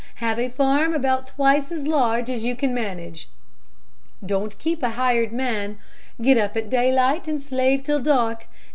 Have a farm about twice as large as you can manage. Don't keep a hired man. Get up at daylight and slave till dark.